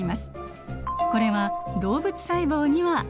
これは動物細胞にはありません。